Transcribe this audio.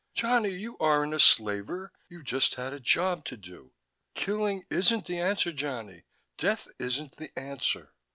Johnny, you aren't a slaver, you just had a job to do.... Killing isn't the answer, Johnny, death isn't the answer...."